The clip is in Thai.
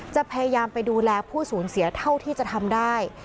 จะพยายามไปดูแลผู้สูญเสียเท่าที่จะทำได้